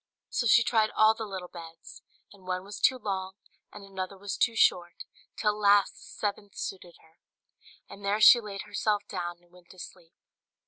So she tried all the little beds; and one was too long, and another was too short, till at last the seventh suited her; and there she laid herself down and went to sleep.